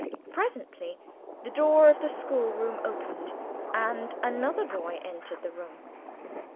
Presently the door of the schoolroom opened, and another boy entered the room.